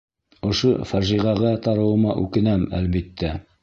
Ошо фажиғәгә тарыуыма үкенәм, әлбиттә.